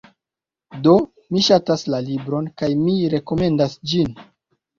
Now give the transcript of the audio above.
Do, mi ŝatas la libron, kaj mi rekomendas ĝin.